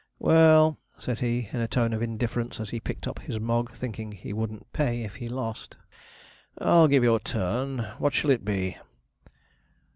'Well,' said he, in a tone of indifference, as he picked up his Mogg, thinking he wouldn't pay if he lost, 'I'll give you a turn. What shall it be?'